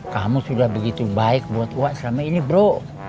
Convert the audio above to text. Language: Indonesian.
kamu sudah begitu baik buat wa selama ini bro